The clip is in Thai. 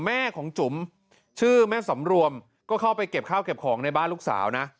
แม่ของจุ๋มชื่อแม่สำรวมก็เข้าไปเก็บข้าวเก็บของในบ้านลูกสาวนะ